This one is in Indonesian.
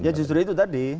ya justru itu tadi